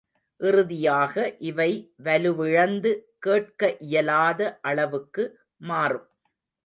இறுதியாக இவை வலுவிழந்து கேட்க இயலாத அளவுக்கு மாறும்.